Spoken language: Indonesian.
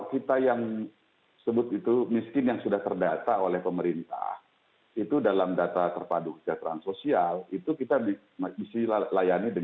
kita yang sebut itu miskin yang sudah terdata oleh pemerintah itu dalam data terpadu kejateraan sosial